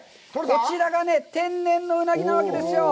こちらがね、天然のうなぎなわけですよ。